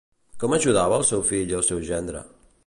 Com ajudava al seu fill i al seu gendre?